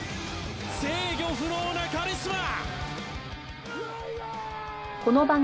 制御不能なカリスマ！